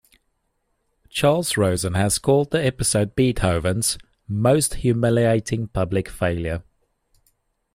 Charles Rosen has called the episode Beethoven's "most humiliating public failure".